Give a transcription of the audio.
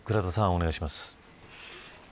お願いします。